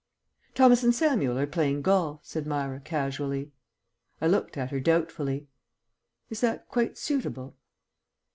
"Thomas and Samuel are playing golf," said Myra casually. I looked at her doubtfully. "Is that quite suitable?"